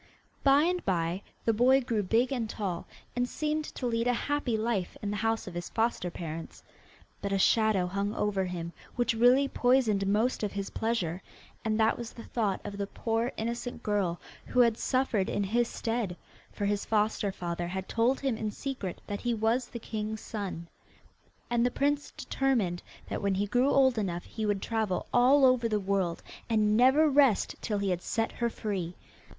By and by the boy grew big and tall, and seemed to lead a happy life in the house of his foster parents. But a shadow hung over him which really poisoned most of his pleasure, and that was the thought of the poor innocent girl who had suffered in his stead, for his foster father had told him in secret, that he was the king's son. And the prince determined that when he grew old enough he would travel all over the world, and never rest till he had set her free.